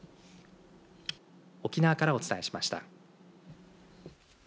沖縄からお伝えしました。